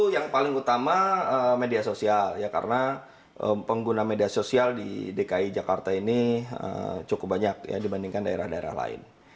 yang paling utama media sosial ya karena pengguna media sosial di dki jakarta ini cukup banyak dibandingkan daerah daerah lain